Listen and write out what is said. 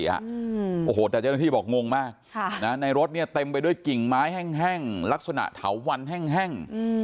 โอ้โหแต่เจ้าหน้าที่บอกงงมากในรถเนี่ยเต็มไปด้วยกิ่งไม้แห้งลักษณะเถาวันแห้ง